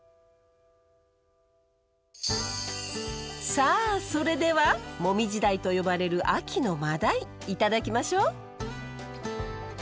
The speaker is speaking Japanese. さあそれでは「モミジダイ」と呼ばれる秋のマダイ頂きましょう。